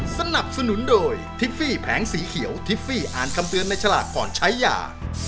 สนับสนุนโดยทิฟฟี่แผงสีเขียวทิฟฟี่อ่านคำเตือนในฉลากก่อนใช้ยา